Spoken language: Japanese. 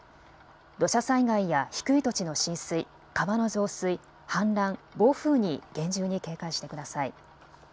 土砂災害や低い土地の浸水、川の増水、氾濫、暴風に厳重に警戒してください。